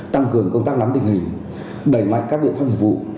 tăng cường công tác lắm tình hình đẩy mạnh các biện pháp hợp vụ